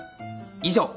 以上。